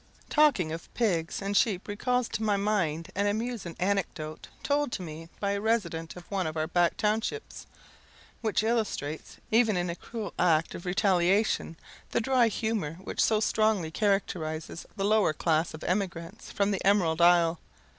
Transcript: Talking of pigs and sheep recals to my mind an amusing anecdote, told to me by a resident of one of our back townships, which illustrates, even in a cruel act of retaliation, the dry humour which so strongly characterizes the lower class of emigrants from the emerald isle.